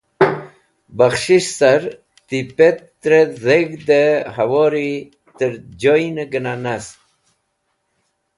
Bakhs̃hish car ti pẽtrẽt dheg̃hdẽ hẽwũri tẽr joynẽ gẽna nast